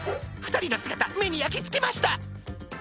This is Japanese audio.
２人の姿目に焼きつけました